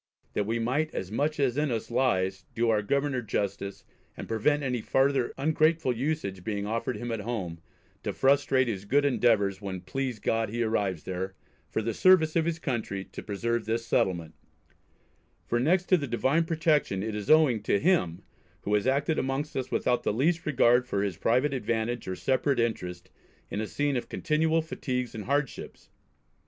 that we might as much as in us lies, do our Governor justice, and prevent any farther ungrateful usage being offered him at home, to frustrate his good endeavours when please God he arrives there, for the service of his country, to preserve this settlement; for next to the Divine protection, it is owing to him, who has acted amongst us without the least regard for his private advantage or separate interest, in a scene of continual fatigues and hardships.